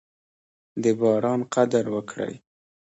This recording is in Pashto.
د باران قدر وکړئ.